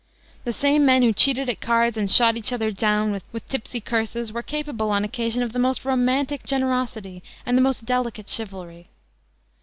The same men who cheated at cards and shot each another down with tipsy curses were capable on occasion of the most romantic generosity and the most delicate chivalry.